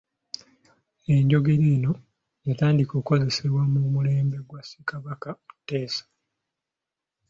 Enjogera eno yatandika kukozesebwa ku mulembe gwa Ssekabaka Muteesa.